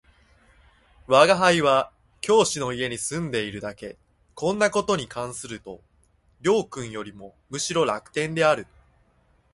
吾輩は教師の家に住んでいるだけ、こんな事に関すると両君よりもむしろ楽天である